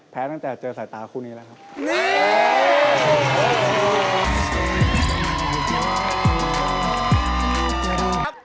ตั้งแต่เจอสายตาคู่นี้แล้วครับ